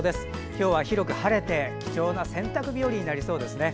今日は広く晴れて貴重な洗濯日和になりそうですね。